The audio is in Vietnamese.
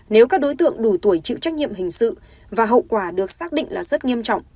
nếu các đối tượng đủ tuổi chịu trách nhiệm hình sự và hậu quả được xác định là rất nghiêm trọng